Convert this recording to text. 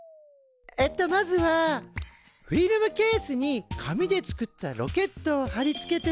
えっとまずはフィルムケースに紙で作ったロケットを貼り付けてね。